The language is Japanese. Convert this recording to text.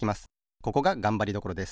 ここががんばりどころです。